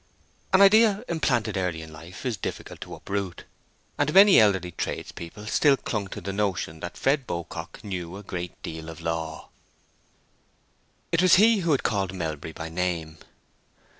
An idea implanted early in life is difficult to uproot, and many elderly tradespeople still clung to the notion that Fred Beaucock knew a great deal of law. It was he who had called Melbury by name.